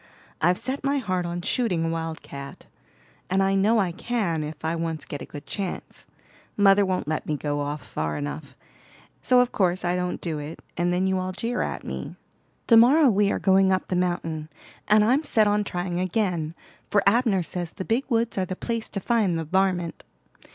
I've set my heart on shooting a wildcat, and I know I can if I once get a good chance. Mother won't let me go off far enough, so of course I don't do it, and then you all jeer at me. To morrow we are going up the mountain, and I'm set on trying again, for Abner says the big woods are the place to find the 'varmint'.